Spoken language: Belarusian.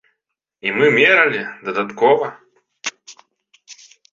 І мы мералі, дадаткова.